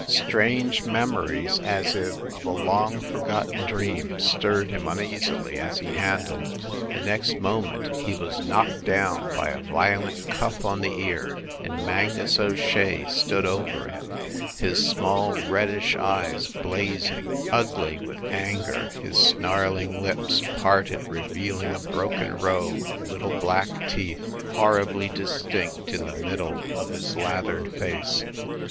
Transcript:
Strange memories, as if of a long for gotten dream, stirred him uneasily as he handled it. The next moment he was knocked down by a violent cuff on the ear, and Mangus O Shea stood over him, his small reddish eyes blazing, ugly with anger, his snarling lips, parted, revealing a broken row of lit tle black teeth, horribly distinct in the middle of his lathered face.